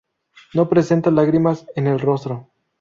No presenta lágrimas en el rostro.